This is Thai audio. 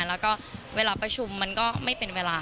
แล้วก็เวลาประชุมมันก็ไม่เป็นเวลา